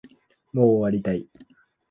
もう終わりたい